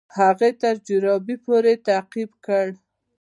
هغه تر جروبي پوري تعقیب کړ.